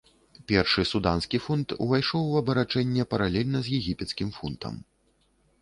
Першы суданскі фунт увайшоў у абарачэнне паралельна з егіпецкім фунтам.